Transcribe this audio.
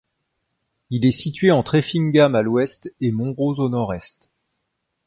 Il est situé entre Effingham à l'ouest et Montrose au nord-est.